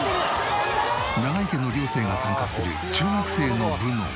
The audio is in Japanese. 永井家の寮生が参加する中学生の部の前に。